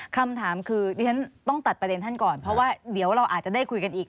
คำถามคือดิฉันต้องตัดประเด็นท่านก่อนเพราะว่าเดี๋ยวเราอาจจะได้คุยกันอีก